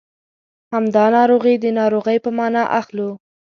همدا ناروغي د ناروغۍ په مانا اخلو.